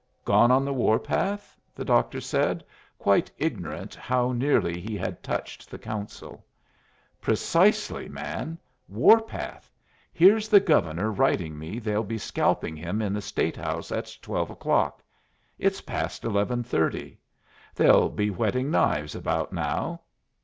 "Gone on the war path?" the doctor said, quite ignorant how nearly he had touched the Council. "Precisely, man. War path. Here's the Governor writing me they'll be scalping him in the State House at twelve o'clock. It's past 11.30. They'll be whetting knives about now."